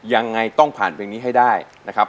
ยังไงต้องผ่านเพลงนี้ให้ได้นะครับ